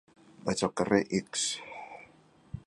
Vaig al carrer X.